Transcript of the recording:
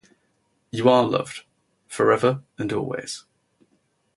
You are loved, forever and always.